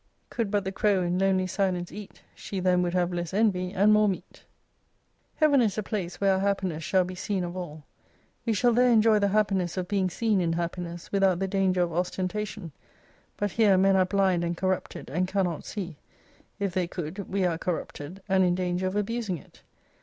Could but the crow in lonely silence eat, She then would have less envy and more meat. Heaven is a place where our happiness shall be seen of all. We shall there enjoy the happiness of being seen in happiness, without the danger of ostentation : but here men are blind and corrupted, and cannot see ; if they could, we are corrupted, and in danger of abus ing it.